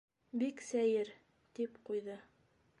—Бик сәйер! —тип ҡуйҙы.